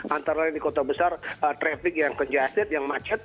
antara di kota besar traffic yang kejaset yang macet